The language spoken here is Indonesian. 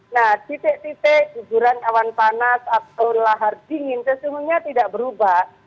nah titik titik guguran awan panas atau lahar dingin sesungguhnya tidak berubah